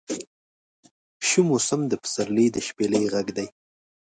شو موسم د پسرلي د شپیلۍ غږدی